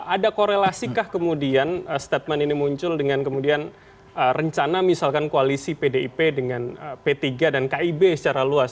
ada korelasikah kemudian statement ini muncul dengan kemudian rencana misalkan koalisi pdip dengan p tiga dan kib secara luas